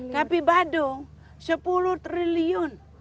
tapi badung sepuluh triliun